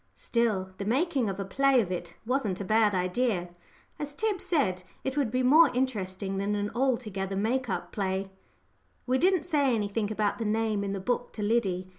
Still, the making a play of it wasn't a bad idea. As Tib said, it would be more interesting than an altogether make up play. We didn't say anything about the name in the book to Liddy.